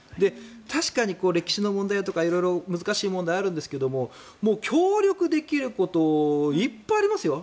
確かに歴史の問題とか色々、難しい問題はあるんですがもう協力できることいっぱいありますよ。